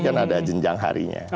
kan ada jenjang harinya